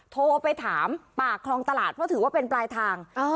โทรไปถามปากคลองตลาดเพราะถือว่าเป็นปลายทาง